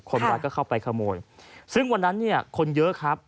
คนรักก็เข้าไปขโมนซึ่งวันนั้นคนเยอะครับ